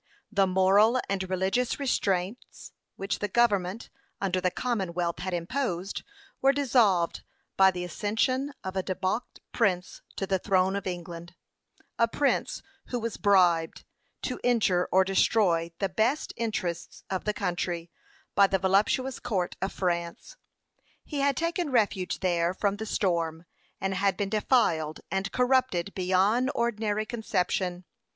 The moral and religious restraints, which the government under the Commonwealth had imposed, were dissolved by the accession of a debauched prince to the throne of England; a prince who was bribed, to injure or destroy the best interests of the country, by the voluptuous court of France. He had taken refuge there from the storm; and had been defiled and corrupted beyond ordinary conception.